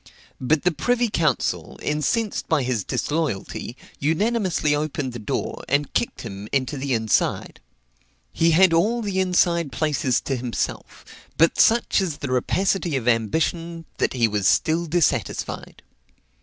But the privy council, incensed by his disloyalty, unanimously opened the door, and kicked him into the inside. He had all the inside places to himself; but such is the rapacity of ambition, that he was still dissatisfied.